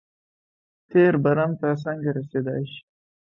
تېر برم ته څنګه رسېدای شي.